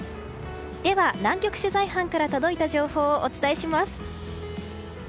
では、南極取材班から届いた情報ををお伝えします。